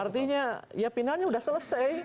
artinya ya finalnya sudah selesai